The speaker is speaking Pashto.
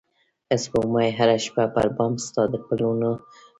سپوږمۍ هره شپه پر بام ستا د پلونو نښې